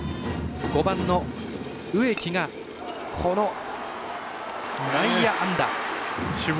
５番の植木が、この内野安打。